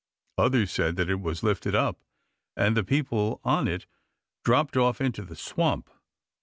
Others said that it was lifted up, and the people on it dropped off into the swamp.